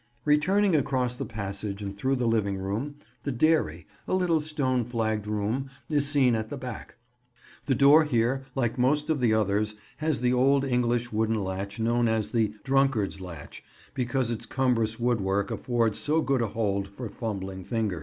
Returning across the passage and through the living room, the dairy, a little stone flagged room is seen at the back. The door here, like most of the others, has the old English wooden latch known as the "Drunkard's latch" because its cumbrous woodwork affords so good a hold for fumbling fingers.